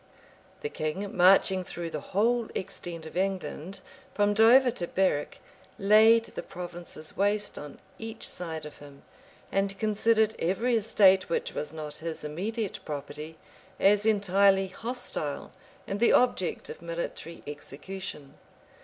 The king, marching through the whole extent of England, from Dover to Berwick, laid the provinces waste on each side of him; and considered every estate, which was not his immediate property, as entirely hostile, and the object of military execution.